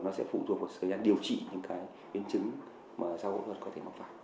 nó sẽ phụ thuộc vào thời gian điều trị những biến chứng mà sau phẫu thuật có thể mọc vào